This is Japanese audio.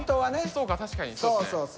そうか確かにそうですね